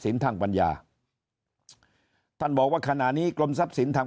ทางปัญญาท่านบอกว่าขณะนี้กรมทรัพย์สินทาง